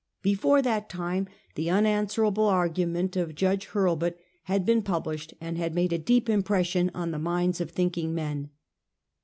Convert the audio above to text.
Before that time, the unanswerable argu ment of Judge Hurlbut had been published, and had made a deep impression on the minds of thinking men.